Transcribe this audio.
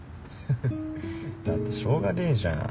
だってしょうがねえじゃん